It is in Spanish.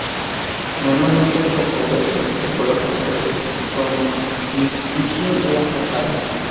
Normalmente es poco grueso y se coloca sobre el frontispicio de la fachada.